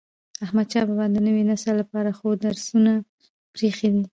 احمدشاه بابا د نوي نسل لپاره د ښو درسونه پريښي دي.